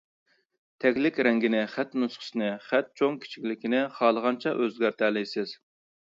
تەگلىك رەڭگىنى، خەت نۇسخىسىنى، خەت چوڭ كىچىكلىكىنى خالىغانچە ئۆزگەرتەلەيمىز.